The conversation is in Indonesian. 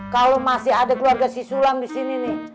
kalau masih ada keluarga sisulang disini nih